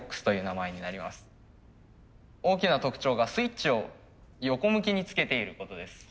大きな特徴がスイッチを横向きにつけていることです。